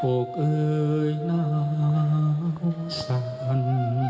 โอกเอยนาวสัน